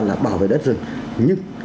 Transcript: là bảo vệ đất rừng nhưng